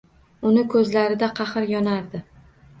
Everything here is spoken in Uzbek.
Uni ko‘zlarida qaxr yonardi.